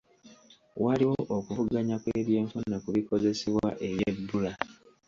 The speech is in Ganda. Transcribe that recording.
Waliwo okuvuganya kw'ebyenfuna ku bikozesebwa eby'ebbula.